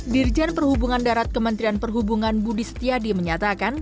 dirjen perhubungan darat kementerian perhubungan budi setiadi menyatakan